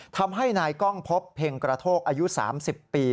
ทำให้นายกล้องพบเพ็งกระโทกอายุ๓๐ปี